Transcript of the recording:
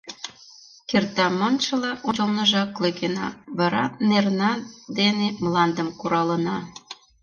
Кертам маншыла, ончылныжак лӧкена, вара нерна дене мландым куралына.